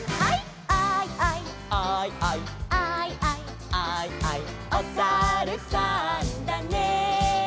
「アイアイ」「アイアイ」「アイアイ」「アイアイ」「おさるさんだね」